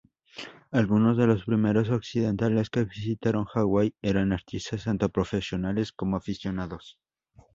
Algunos de los primeros occidentales que visitaron Hawái eran artistas, tanto profesionales como aficionados.